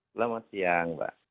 selamat siang mbak